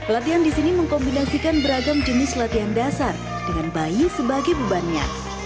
latihan di sini mengkombinasikan beragam jenis latihan dasar dengan bayi sebagai bebannya